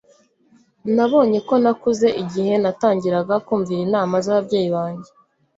Nabonye ko nakuze igihe natangiraga kumvira inama z'ababyeyi banjye.